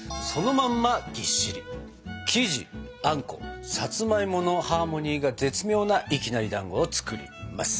生地あんこさつまいものハーモニーが絶妙ないきなりだんごを作ります！